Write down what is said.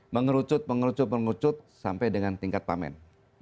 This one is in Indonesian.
mengerucut pengerucut mengerucut sampai dengan tingkat pamen